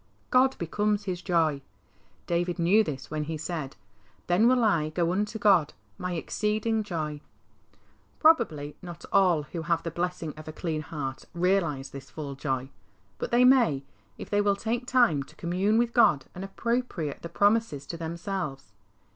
God becomes his joy. David knew this when he said, "Then will I go unto God, my exceeding joy." THE OUTCOME OF A CLEAN HEART. 29 Probably not all who have the blessing of a clean heart realise this full joy, but they may, if they will take time to commune with God and appropriate the promises to themselves.